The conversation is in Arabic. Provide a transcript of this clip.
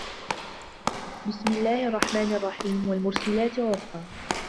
بسم الله الرحمن الرحيم والمرسلات عرفا